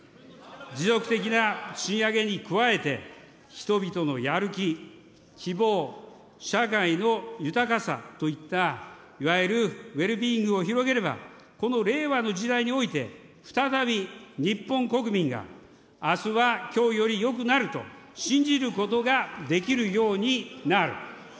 持続的な賃上げに加えて、人々のやる気、希望、社会の豊かさといった、いわゆるウェルビーイングを広げれば、この令和の時代において、再び日本国民が、あすはきょうよりよくなると、信じることができるようになる。